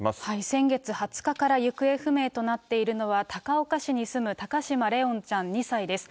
先月２０日から行方不明となっているのは、高岡市に住む高嶋怜音ちゃん２歳です。